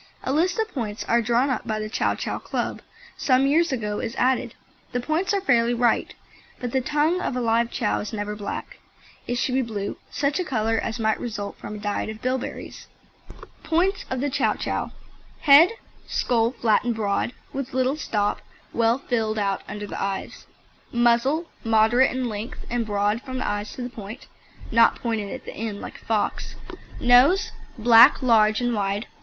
A list of points as drawn up by the Chow Chow Club some years ago is added. The points are fairly right, but the tongue of a live Chow is never black. It should be blue, such a colour as might result from a diet of bilberries. POINTS OF THE CHOW CHOW: HEAD Skull flat and broad, with little stop, well filled out under the eyes. MUZZLE Moderate in length, and broad from the eyes to the point (not pointed at the end like a fox). NOSE Black, large and wide.